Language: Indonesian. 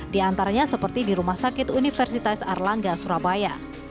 di antaranya seperti di rumah sakit universitas erlangga surabaya